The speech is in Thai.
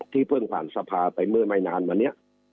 เพิ่งผ่านสภาไปเมื่อไม่นานมาเนี่ย